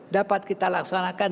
dapat kita laksanakan